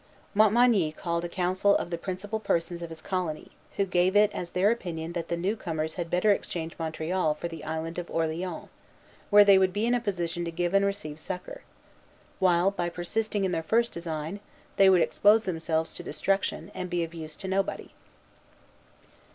Montmagny called a council of the principal persons of his colony, who gave it as their opinion that the new comers had better exchange Montreal for the Island of Orleans, where they would be in a position to give and receive succor; while, by persisting in their first design, they would expose themselves to destruction, and be of use to nobody.